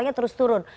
suaranya terus turun